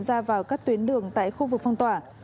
ra vào các tuyến đường tại khu vực phong tỏa